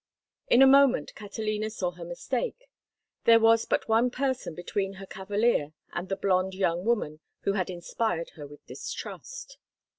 In a moment Catalina saw her mistake; there was but one person between her cavalier and the blonde young woman who had inspired her with distrust.